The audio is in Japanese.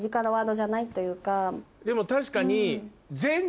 でも確かに。